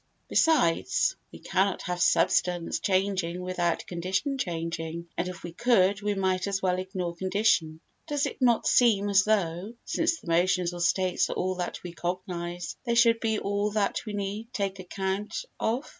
Besides, we cannot have substance changing without condition changing, and if we could we might as well ignore condition. Does it not seem as though, since the motions or states are all that we cognise, they should be all that we need take account of?